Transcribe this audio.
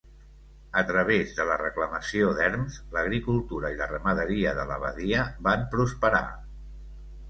A través de la reclamació d'erms, l'agricultura i la ramaderia de l'abadia van prosperar.